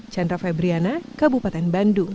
chandra febriana kabupaten bandung